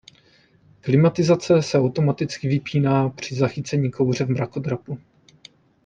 Klimatizace se automaticky vypíná při zachycení kouře v mrakodrapu.